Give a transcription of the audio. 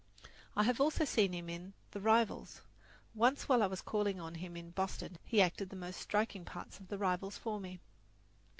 I have also seen him in "The Rivals." Once while I was calling on him in Boston he acted the most striking parts of "The Rivals" for me.